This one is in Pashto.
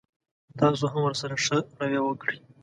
تاسو هم ورسره ښه رويه وکړئ.